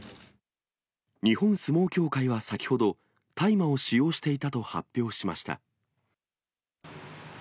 日本相撲協会は先ほど、大麻を使用していたと発表しました。